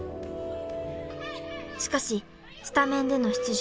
［しかしスタメンでの出場は１試合］